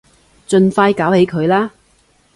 盡快搞起佢啦